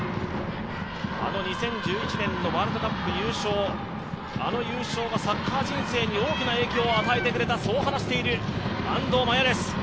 あの２０１１年のワールドカップ優勝、あの優勝がサッカー人生に大きな影響を与えてくれたと話してくれた安藤麻耶です。